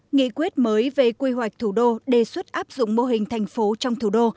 nghị quyết mới về quy hoạch thủ đô đề xuất áp dụng mô hình thành phố trong thủ đô